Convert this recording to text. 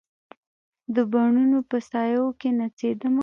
د بڼوڼو په سایو کې نڅېدمه